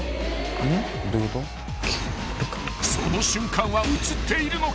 ［その瞬間はうつっているのか］